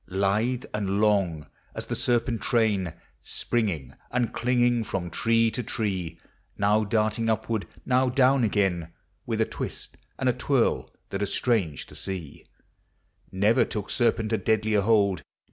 Lithe and lon£ as the serpenl train, Springing and clinging from tree to tree, Now darting upward, now down again, With a twist and a twirl thai are strange to see; Never took serpent a o!e;i<llier hold.